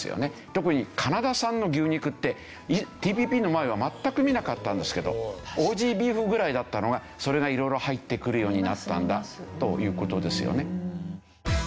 特にカナダ産の牛肉ってＴＰＰの前は全く見なかったんですけどオージー・ビーフぐらいだったのがそれが色々入ってくるようになったんだという事ですよね。